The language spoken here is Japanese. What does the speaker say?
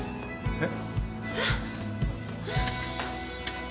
えっ。